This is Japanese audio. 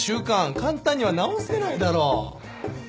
簡単には直せないだろ。